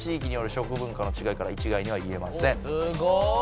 すごい！